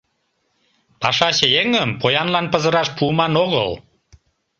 ПАШАЧЕ ЕҤЫМ ПОЯНЛАН ПЫЗЫРАШ ПУЫМАН ОГЫЛ